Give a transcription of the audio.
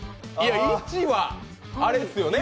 １は、あれですよね？